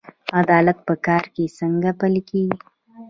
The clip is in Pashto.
عدالت په کار کې څنګه پلی کیږي؟